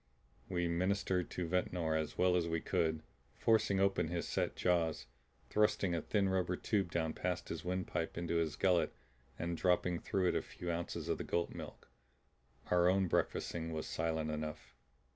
We ministered to Ventnor as well as we could; forcing open his set jaws, thrusting a thin rubber tube down past his windpipe into his gullet and dropping through it a few ounces of the goat milk. Our own breakfasting was silent enough.